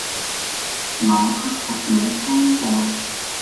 我確實冇聽過